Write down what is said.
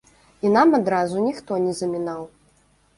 І нам адразу ніхто не замінаў.